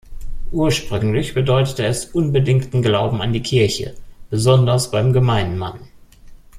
Ursprünglich bedeutete es unbedingten Glauben an die Kirche, besonders beim gemeinen Mann.